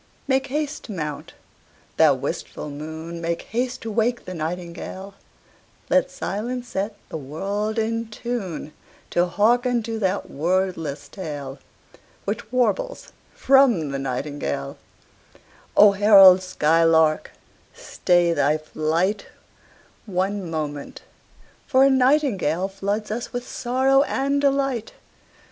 Make haste to mount, thou wistful moon, Make haste to wake the nightingale: Let silence set the world in tune To hearken to that wordless tale Which warbles from the nightingale O herald skylark, stay thy flight One moment, for a nightingale Floods us with sorrow and delight.